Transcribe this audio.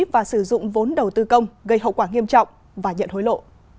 và sử dụng vốn đầu tư công gây hậu quả nghiêm trọng và nhận hối lộ